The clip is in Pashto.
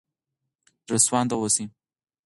زړه سوانده اوسئ.